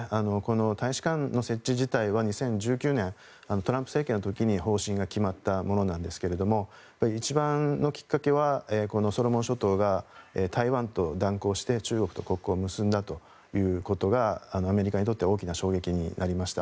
大使館の設置自体は２０１９年、トランプ政権の時に方針が決まったものなんですが一番のきっかけはソロモン諸島が台湾と断交して中国と国交を結んだということがアメリカにとって大きな衝撃になりました。